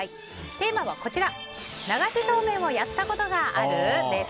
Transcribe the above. テーマは、流しそうめんをやったことがある？です。